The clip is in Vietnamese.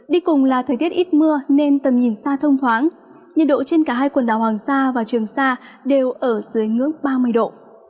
đi cùng là thời tiết ít mưa nên tầm nhìn xa thông thoáng nhiệt độ trên cả hai quần đảo hoàng sa và trường sa đều ở dưới ngưỡng ba mươi độ